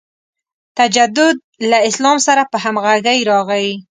تجدد له اسلام سره په همغږۍ راغی.